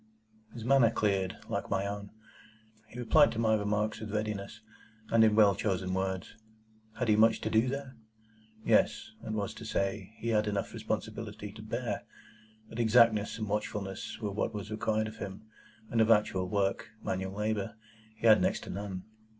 His manner cleared, like my own. He replied to my remarks with readiness, and in well chosen words. Had he much to do there? Yes; that was to say, he had enough responsibility to bear; but exactness and watchfulness were what was required of him, and of actual work—manual labour—he had next to none.